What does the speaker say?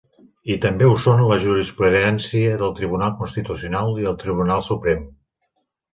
I també ho són la jurisprudència del Tribunal Constitucional i el Tribunal Suprem.